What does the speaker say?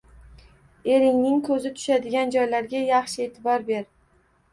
Eringning ko‘zi tushadigan joylarga yaxshi e’tibor ber.